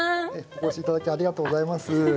お越し頂きありがとうございます。